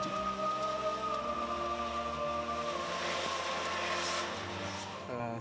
peringatan peringatan yesus dalam terihari suci